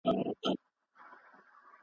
د ژبپوهنې اړيکې ولې مهمې دي؟